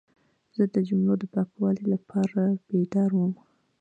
زه د جملو د پاکوالي لپاره بیدار وم.